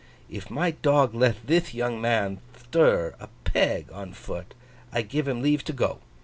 If my dog leth thith young man thtir a peg on foot, I give him leave to go.